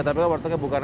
tapi wartegnya buka